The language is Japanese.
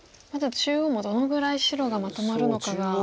中央もどのぐらい白がまとまるのかが。